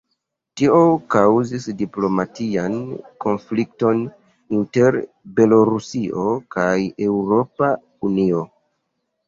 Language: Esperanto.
Tio kaŭzis diplomatian konflikton inter Belorusio kaj Eŭropa Unio.